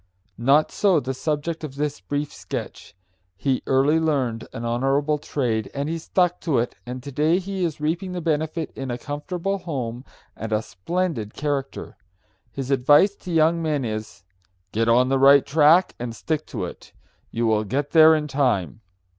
Not so the subject of this brief sketch. He early learned an honorable trade, and he stuck to it, and to day he is reaping the benefit in a comfortable home and a splendid character. His advice to young men is, "Get on the right track and stick to it. You will get there in time."